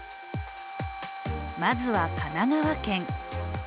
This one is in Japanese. まずは神奈川県。